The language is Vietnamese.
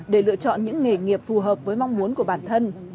để lựa chọn những nghề nghiệp phù hợp với mong muốn của bản thân